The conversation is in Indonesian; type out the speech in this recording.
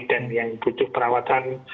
dan yang butuh perawatan